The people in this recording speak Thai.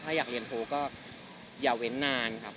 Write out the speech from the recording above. ถ้าอยากเรียนโพลก็อย่าเว้นนานครับ